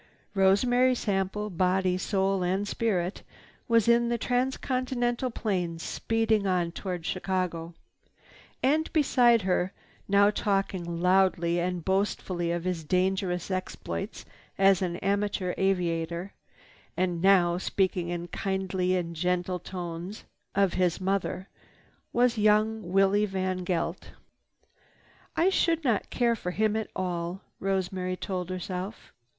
Rosemary Sample, body, soul and spirit, was in the trans continental plane speeding on toward Chicago. And beside her, now talking loudly and boastfully of his dangerous exploits as an amateur aviator, and now speaking in kindly and gentle tones of his mother, was young Willie VanGeldt. "I should not care for him at all," Rosemary told herself.